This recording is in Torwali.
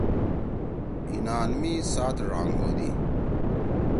ایِنان می سات ڙانگ ہودی۔